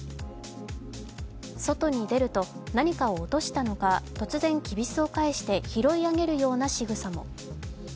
外に出ると、何かを落としたのか突然きびすを返して拾い上げるようなしぐさも。